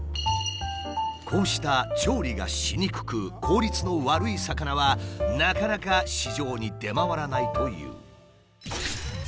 こうした調理がしにくく効率の悪い魚はなかなか市場に出回らないという。